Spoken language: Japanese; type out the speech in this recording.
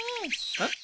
えっ？